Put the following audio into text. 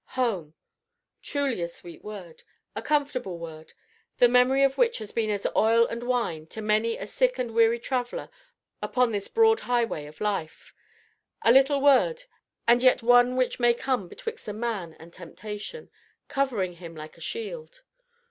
Home! truly a sweet word, a comfortable word, the memory of which has been as oil and wine to many a sick and weary traveler upon this Broad Highway of life; a little word, and yet one which may come betwixt a man and temptation, covering him like a shield.